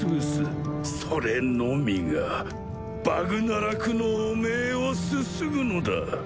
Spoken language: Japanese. それのみがバグナラクの汚名をすすぐのだ。